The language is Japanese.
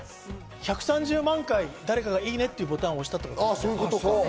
１３０万回誰かがいいねってボタン押したってことですよ。